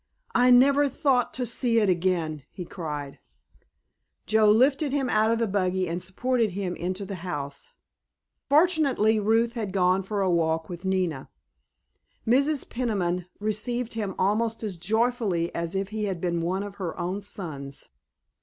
"I never thought to see it again," he cried. Joe lifted him out of the buggy and supported him into the house. Fortunately Ruth had gone for a walk with Nina. Mrs. Peniman received him almost as joyfully as if he had been one of her own sons.